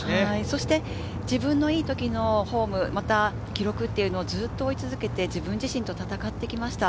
自分のいい時のフォーム、また記録というのをずっと追い続けて、自分自身と戦ってきました。